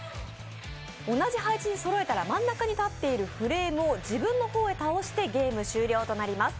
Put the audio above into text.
同じ配置にそろえたら真ん中に立っているフレームを自分の方へ倒してゲーム終了となります。